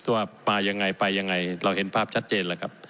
ว่ามายังไงไปยังไงเราเห็นภาพชัดเจนแล้วครับ